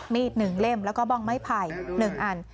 ๑เล่มแล้วก็บ้องไม้ไผ่๑อัน